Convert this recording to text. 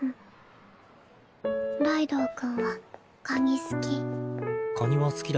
ライドウ君はカニ好き？